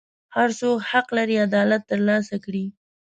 هر څوک حق لري عدالت ترلاسه کړي.